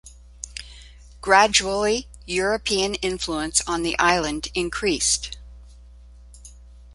Gradually, European influence on the island increased.